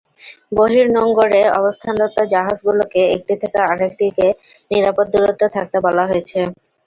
বহির্নোঙরে অবস্থানরত জাহাজগুলোকে একটি থেকে আরেকটিকে নিরাপদ দূরত্বে থাকতে বলা হয়েছে।